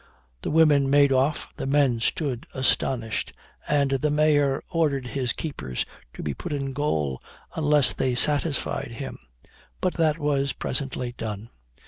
The women made off the men stood astonished and the mayor ordered his keepers to be put in goal unless they satisfied him; but that was presently done.